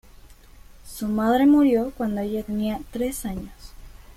Su madre murió cuando ella tenía tres años.